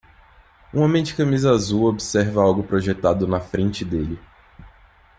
Um homem de camisa azul observa algo projetado na frente dele.